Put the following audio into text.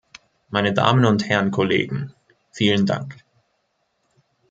Meine Damen und Herren Kollegen, vielen Dank!